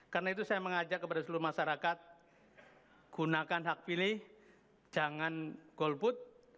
karena itu saya mengajak kepada seluruh masyarakat gunakan hak pilih jangan golput